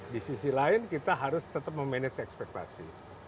di sisi lain kita harus tetap memanage ekspektasi